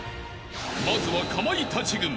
［まずはかまいたち軍］